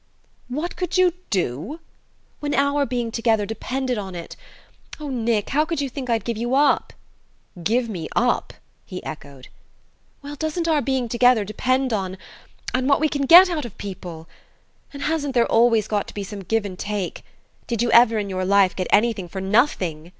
"What could you do?" "When our being together depended on it? Oh, Nick, how could you think I'd give you up?" "Give me up?" he echoed. "Well doesn't our being together depend on on what we can get out of people? And hasn't there always got to be some give and take? Did you ever in your life get anything for nothing?"